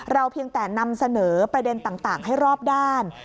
เพียงแต่นำเสนอประเด็นต่างให้รอบด้าน